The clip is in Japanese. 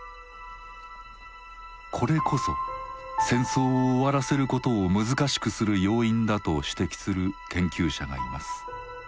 これこそ戦争を終わらせることを難しくする要因だと指摘する研究者がいます。